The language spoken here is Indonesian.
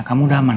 kamu udah aman